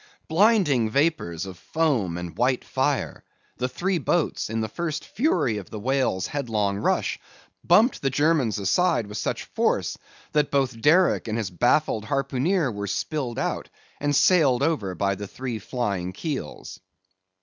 Blinding vapors of foam and white fire! The three boats, in the first fury of the whale's headlong rush, bumped the German's aside with such force, that both Derick and his baffled harpooneer were spilled out, and sailed over by the three flying keels.